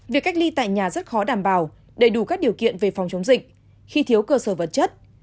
việc cách ly tại nhà rất khó đảm bảo đầy đủ các điều kiện về phòng chống dịch khi thiếu cơ sở vật chất